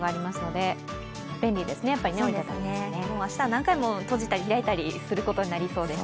明日は何回も閉じたり開いたりすることになりそうです。